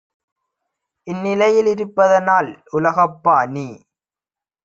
இந்நிலையி லிருப்பதனால் உலகப்பாநீ